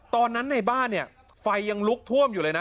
ในบ้านเนี่ยไฟยังลุกท่วมอยู่เลยนะ